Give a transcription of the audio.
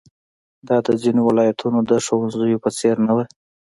دا د ځینو ولایتونو د ښوونځیو په څېر نه وه.